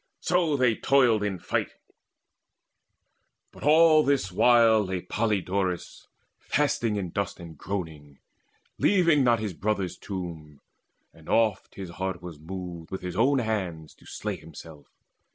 So they toiled in fight; But all this while lay Podaleirius Fasting in dust and groaning, leaving not His brother's tomb; and oft his heart was moved With his own hands to slay himself.